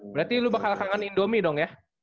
berarti lo bakal kangen indomie dong ya